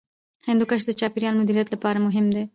هندوکش د چاپیریال مدیریت لپاره مهم دی.